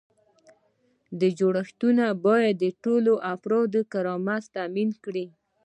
جوړښتونه باید د ټولو افرادو کرامت تامین کړي.